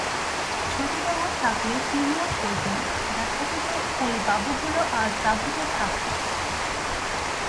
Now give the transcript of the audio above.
ছোটোবাবু থাকলে তিনিও সইতেন না, দেখা যেত ঐ বাবুগুলো আর তাঁবুগুলো থাকত কোথায়।